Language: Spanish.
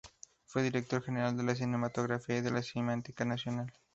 Fue Director General de Cinematografía y de la Cineteca Nacional.